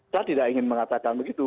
saya tidak ingin mengatakan begitu